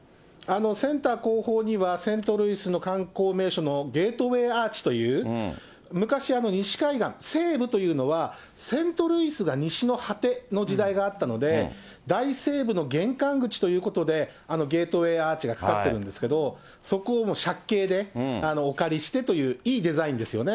センター後方にはセントルイスの観光名所のゲートウェイアーチという、昔、西海岸、西部というのは、セントルイスが西の果ての時代があったので、大西部の玄関口ということで、ゲートウェイアーチが架かっているんですけれども、そこを借景でお借りしてという、いいデザインですよね。